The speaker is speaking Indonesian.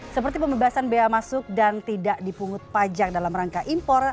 seperti pembebasan bea masuk dan tidak dipungut pajak dalam rangka impor